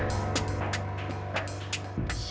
gak ada buru buru lagi